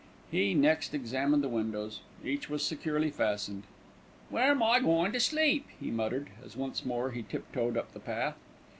He next examined the windows. Each was securely fastened. "Where'm I goin' to sleep?" he muttered, as once more he tip toed up the path.